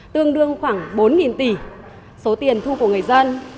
tương đương khoảng bốn tỷ số tiền thu của người dân